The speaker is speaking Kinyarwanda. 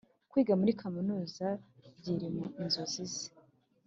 kwiga muri kaminuza byri inzozi ze